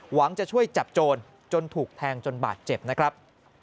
จะช่วยจับโจรจนถูกแทงจนบาดเจ็บนะครับ